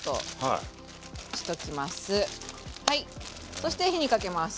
そして火にかけます。